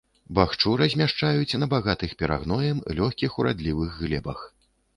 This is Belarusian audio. Бахчу размяшчаюць на багатых перагноем лёгкіх урадлівых глебах.